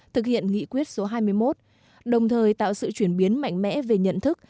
thực hiện nghị quyết số hai mươi một đồng thời tạo sự chuyển biến mạnh mẽ về nhận thức